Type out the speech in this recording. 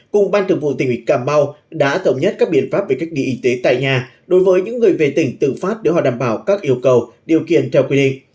cùng ban thường vụ tỉnh ủy cà mau đã thống nhất các biện pháp về cách ly y tế tại nhà đối với những người về tỉnh tự phát để đảm bảo các yêu cầu điều kiện theo quy định